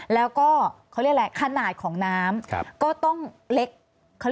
แล้วก็ขนาดของน้ำก็ต้องเล็ก